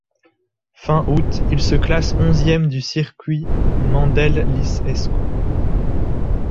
Fin août, il se classe onzième du Circuit Mandel-Lys-Escaut.